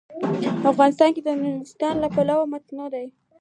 افغانستان د نورستان له پلوه متنوع دی.